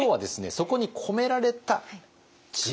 そこに込められた知恵。